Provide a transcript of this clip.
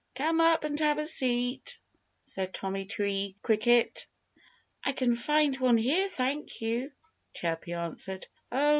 "Come up and have a seat!" said Tommy Tree Cricket. "I can find one here, thank you!" Chirpy answered. "Oh!